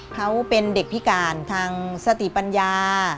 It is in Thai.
เขาเป็นเด็กพิการทางสติปัญญา